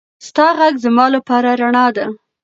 ستا غږ زما لپاره رڼا ده.